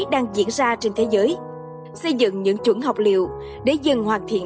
đang diễn ra trên thế giới xây dựng những chuẩn học liệu để dần hoàn thiện